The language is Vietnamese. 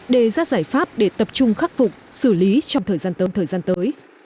đề ra giải pháp để tập trung khắc phục xử lý trong thời gian tới